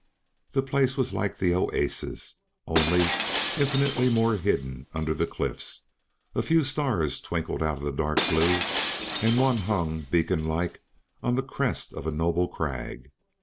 The place was like the oasis, only infinitely more hidden under the cliffs. A few stars twinkled out of the dark blue, and one hung, beaconlike, on the crest of a noble crag.